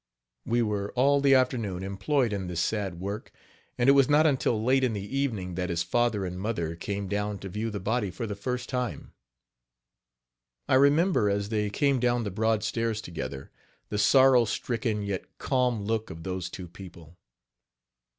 We were all the afternoon employed in this sad work, and it was not until late in the evening that his father and mother came down to view the body for the first time. I remember, as they came down the broad stairs together, the sorrow stricken yet calm look of those two people.